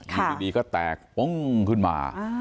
อยู่ดีก็แตกปุ้งขึ้นมา